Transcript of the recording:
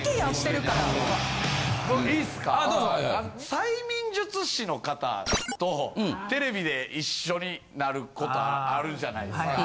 催眠術師の方とテレビで一緒になることあるじゃないですか。